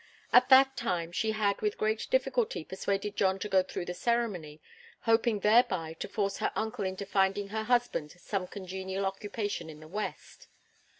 At that time she had with great difficulty persuaded John to go through the ceremony, hoping thereby to force her uncle into finding her husband some congenial occupation in the West.